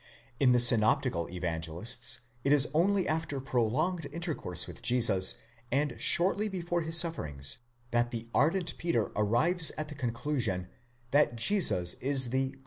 In the synoptical Evangelists it is only after pro longed intercourse with Jesus, and shortly before his sufferings, that the ardent Peter arrives at the conclusion that Jesus is the Χριστὸς, 6 vids τοῦ θεοῦ τοῦ ζῶντος (Matt.